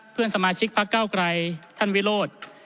เพื่อนสมาชิกพักเก้าไกรท่านวิโรธ